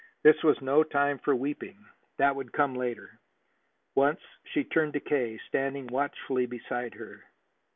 This was no time for weeping; that would come later. Once she turned to K., standing watchfully beside her.